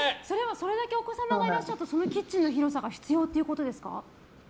それだけお子様がいらっしゃるとそのキッチンの広さが必要っていうことですか？